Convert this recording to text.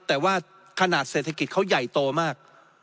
แต่ว่าขนาดเศรษฐกิจเขาใหญ่โตมาก